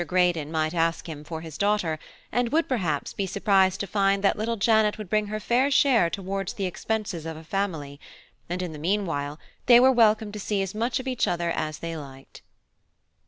Greydon might ask him for his daughter, and would, perhaps, be surprised to find that little Janet would bring her fair share towards the expenses of a family, and in the meanwhile they were welcome to see as much of each other as they liked.